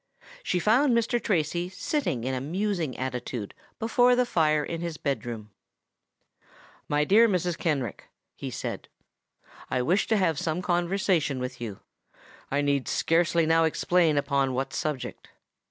She found Mr. Tracy sitting in a musing attitude before the fire in his bed room. "My dear Mrs. Kenrick," he said, "I wish to have some conversation with you—I need scarcely now explain upon what subject.